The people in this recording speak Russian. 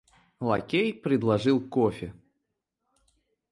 Лакей предложил кофе.